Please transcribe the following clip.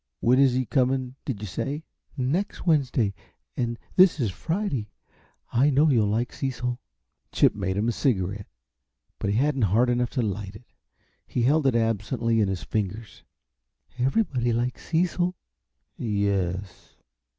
When is he coming, did you say?" "Next Wednesday and this is Friday. I know you'll like Cecil." Chip made him a cigarette, but he hadn't heart enough to light it. He held it absently in his fingers. "Everybody likes Cecil." "Yes?"